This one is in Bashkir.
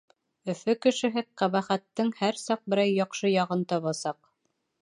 Өфө кешеһе ҡәбәхәттең һәр саҡ берәй яҡшы яғын табасаҡ.